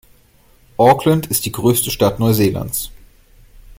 Auckland ist die größte Stadt Neuseelands.